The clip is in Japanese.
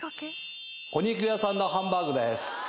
お肉屋さんのハンバーグです。